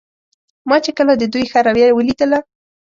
ما چې کله د دوی ښه رویه ولیدله.